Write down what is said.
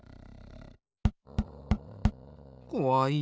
こわい。